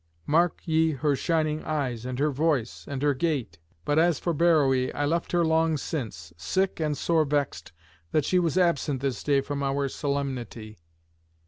Mark ye her shining eyes, and her voice, and her gait. But as for Beroé I left her long since, sick and sore vexed that she was absent this day from our solemnity."